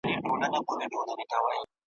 زه د تور توپان په شپه څپه یمه ورکېږمه ,